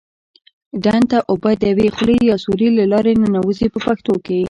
ډنډ ته اوبه د یوې خولې یا سوري له لارې ننوزي په پښتو کې.